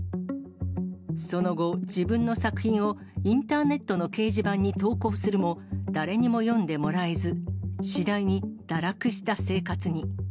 その後、自分の作品をインターネットの掲示板に投稿するも、誰にも読んでもらえず、次第に堕落した生活に。